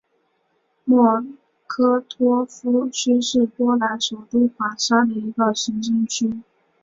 莫科托夫区是波兰首都华沙的一个行政区。